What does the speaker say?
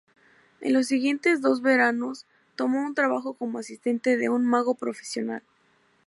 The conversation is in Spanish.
En los siguientes dos veranos tomó un trabajo como asistente de un mago profesional.